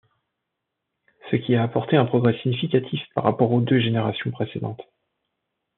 Ce qui a apporté un progrès significatif par rapport aux deux générations précédentes.